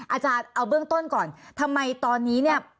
อาจารย์เอาเบื้องต้นก่อนทำไมตอนนี้เนี่ย